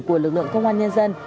của lực lượng công an nhân dân